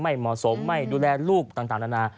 ไม่มอสมไม่ดูแลลูกต่างละนะ